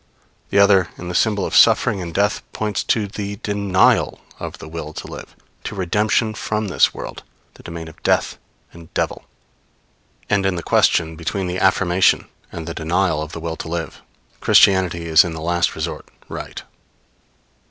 The other, in the symbol of suffering and death, points to the denial of the will to live, to redemption from this world, the domain of death and devil. And in the question between the affirmation and the denial of the will to live, Christianity is in the last resort right.